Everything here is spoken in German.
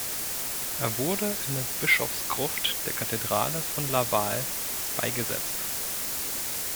Er wurde in der Bischofsgruft der Kathedrale von Laval beigesetzt.